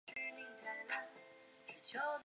子宝昌。